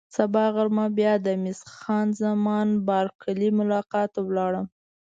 سبا غرمه بیا د مس خان زمان بارکلي ملاقات ته ولاړم.